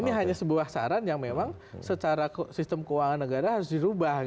ini hanya sebuah saran yang memang secara sistem keuangan negara harus dirubah